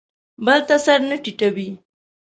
بل ته سر نه ټیټوي.